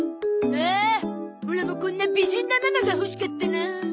ああオラもこんな美人なママが欲しかったな。